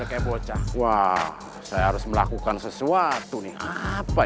kebocah wah saya harus melakukan sesuatu nih apa ya